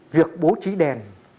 việc bố trí đèn